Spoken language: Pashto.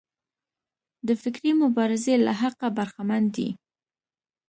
د فکري مبارزې له حقه برخمن دي.